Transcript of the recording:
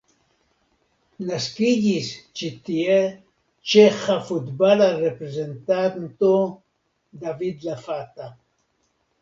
Naskiĝis ĉi tie ĉeĥa futbala reprezentanto David Lafata.